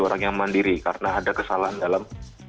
orang yang mandiri karena ada kesalahan dalam